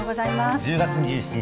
１０月２７日